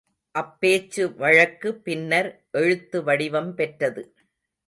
அப்பேச்சு வழக்கு பின்னர் எழுத்து வடிவம் பெற்றது.